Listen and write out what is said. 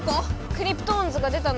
クリプトオンズが出たの？